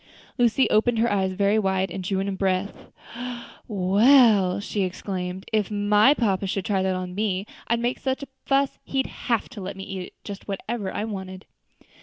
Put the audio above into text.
Lucy opened her eyes very wide, and drew in her breath. "Well," she exclaimed, "I guess if my papa should try that on me, I'd make such a fuss he'd have to let me eat just whatever I wanted."